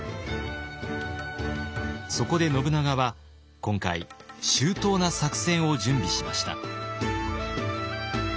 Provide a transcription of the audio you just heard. そこで信長は今回周到な作戦を準備しました。